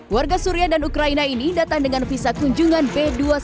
warga suria dan ukraina ini datang dengan visa kunjungan b dua ratus dua belas